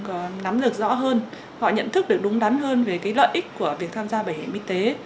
họ có nắm được rõ hơn họ nhận thức được đúng đắn hơn về cái lợi ích của việc tham gia bảo hiểm y tế